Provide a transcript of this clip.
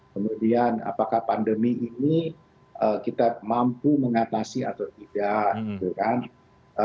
kemudian apakah pandemi ini kita mampu mengatasi atau tidak